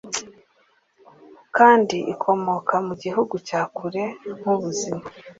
kandi ikomoka mu gihugu cya kure nkubuzima.